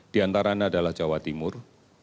diantaranya adalah jawa timur